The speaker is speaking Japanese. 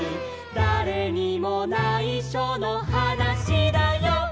「だれにもないしょのはなしだよ」